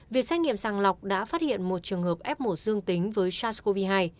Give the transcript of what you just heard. việc xét nghiệm sàng lọc đã phát hiện một trường hợp f một dương tính với sars cov hai